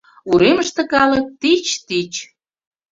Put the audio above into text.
Уремыште калык тич-тич.